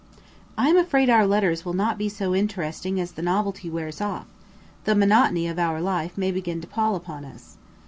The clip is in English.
I am afraid our letters will not be so interesting as the novelty wears off: the monotony of our life may begin to pall upon us.